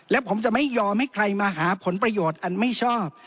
และผมจะไม่ยอมให้ใครมาหาผลประโยชน์อันไม่ชอบ